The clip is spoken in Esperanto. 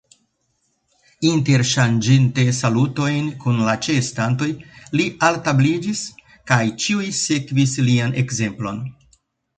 Interŝanĝinte salutojn kun la ĉeestantoj, li altabliĝis, kaj ĉiuj sekvis lian ekzemplon.